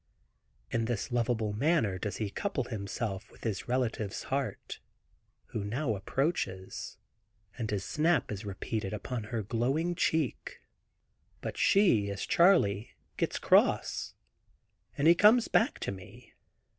In this lovable manner does he couple himself with his relative's heart, who now approaches, and his snap is repeated upon her glowing cheek. But she, as Charley, gets cross, and he comes back to me.